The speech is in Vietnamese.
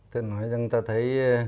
thưa ngài chúng ta thấy